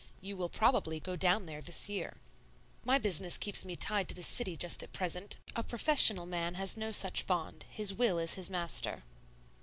You will probably go down there this year." "My business keeps me tied to the city just at present. A professional man has no such bond; his will is his master."